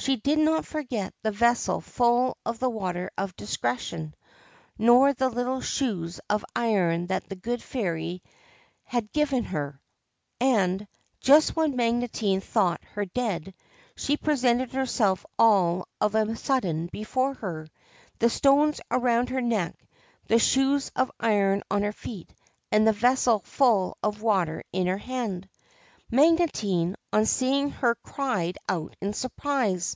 She did not forget the vessel full of the Water of Discretion, nor the little shoes of iron that the good fairy had given her ; and, just when Magotine thought her dead, she presented herself all of a sudden before her, the stones around her neck, the shoes of iron on her feet, and the vessel full of water in her hand. Magotine on seeing her cried out in surprise.